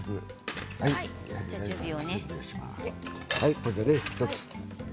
これでね、１つ。